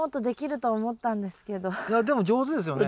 いやでも上手ですよね？